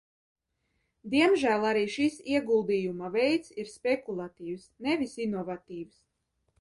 Diemžēl arī šis ieguldījuma veids ir spekulatīvs, nevis inovatīvs.